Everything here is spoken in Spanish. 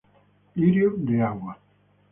Lirio de agua